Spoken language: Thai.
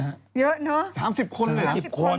เยอะเนอะ๓๐คนเลยเหรอ๑๐คน